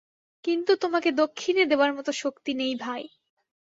কিন্তু তোমাকে দক্ষিণে দেবার মতো শক্তি নেই ভাই।